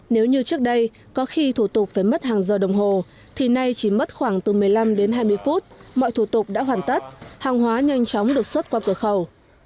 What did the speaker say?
nếu như trước đây có khi thủ tục phải mất hàng giờ đồng hồ thì nay chỉ mất khoảng từ một mươi năm đến hai mươi phút mọi thủ tục đã hoàn tất hàng hóa nhanh chóng được xuất qua cửa khẩu